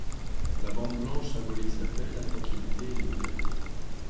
La bande blanche symbolise la paix, la tranquillité et la liberté.